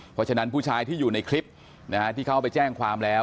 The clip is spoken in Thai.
เพราะฉะนั้นผู้ชายที่อยู่ในคลิปที่เขาไปแจ้งความแล้ว